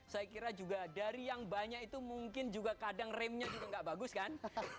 saya kira juga dari yang banyak itu mungkin juga kadang remnya juga nggak bagus kan